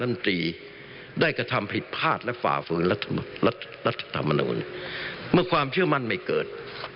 มีความเชื่อมั่นไม่เกิด